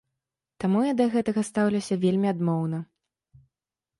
Таму я да гэтага стаўлюся вельмі адмоўна.